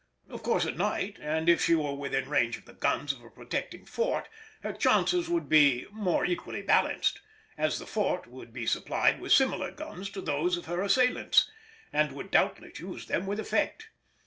Of course at night, and if she were within the range of the guns of a protecting fort, her chances would be more equally balanced; as the fort would be supplied with similar guns to those of her assailants, and would doubtless use them with effect.